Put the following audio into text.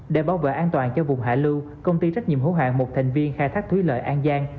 để bảo vệ an toàn cho vùng hải lưu công ty trách nhiệm hỗ hạng một thành viên khai thác thúy lợi an giang